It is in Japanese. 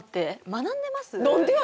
学んでます？